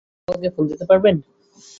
আমার বাবাকে ফোন দিতে পারবেন?